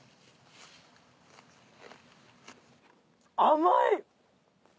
甘い！